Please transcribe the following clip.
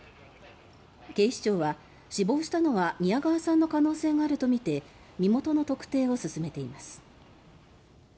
警視庁は、死亡したのは宮川さんの可能性があるとみて身元の特定を進めています。